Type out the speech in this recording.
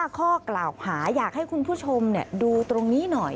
ข้อกล่าวหาอยากให้คุณผู้ชมดูตรงนี้หน่อย